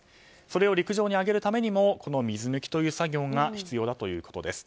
それを陸上に揚げるためにもこの水抜きという作業が必要だということです。